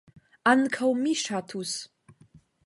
Ankaŭ mi ŝatus.